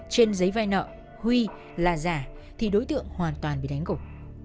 trên giấy vai nợ huy là giả thì đối tượng hoàn toàn bị đánh cục